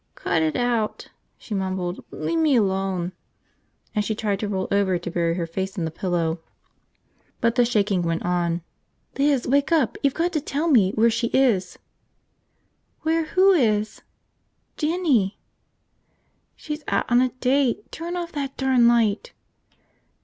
"Cut it out," she mumbled, "Le' me alone." And she tried to roll over to bury her face in the pillow. But the shaking went on. "Liz, wake up! You've got to tell me where she is!" "Where who is?" "Jinny." "She's out on a date. Turn off that darn light!"